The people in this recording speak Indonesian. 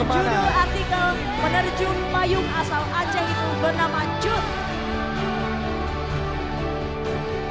dengan judul artikel menerjemah yung asal aceh itu bernama cut